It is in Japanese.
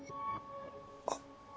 あっ。